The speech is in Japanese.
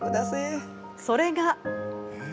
それが。